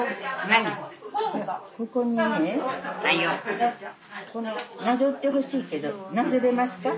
なぞってほしいけどなぞれますか？